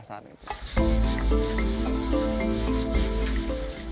dan kita harus memiliki keinginan yang lebih baik